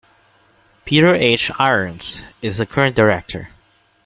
Peter H. Irons is the current director.